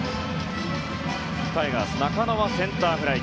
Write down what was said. タイガースの中野はセンターフライ。